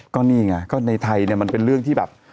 ก็นี่ไงในไทยมันเป็นเรื่องที่แบบ